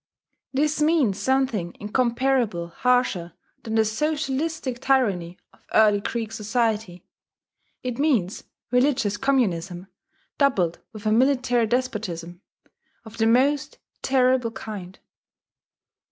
This means something incomparably harsher than the socialistic tyranny of early Greek society: it means religious communism doubled with a military despotism of the most terrible kind.